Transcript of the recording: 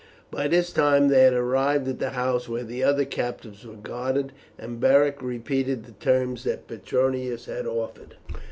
By this time they had arrived at the house where the other captives were guarded, and Beric repeated the terms that Petronius had offered.